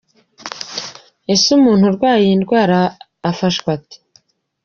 Ese umuntu urwaye iyi ndwara afashwa ate?.